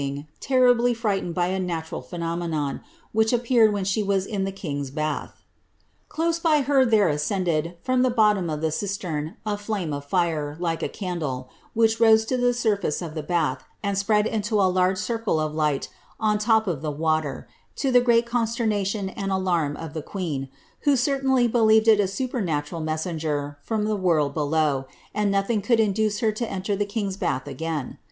S43 nhij frightened by a natural phenomenon, which appeared when she was in the king^a bath. Cloae by her there ascended, from the bottom of the ciatem, a flame of fire, like a candle, which roae to the anr&ce of the bath, and spread into a large circle of light on the top of the water, to the great consternation and alarm of the queen, who certainly believed it a supernatural messenger from the world below, and nothing could induce her to enter the king's bath again.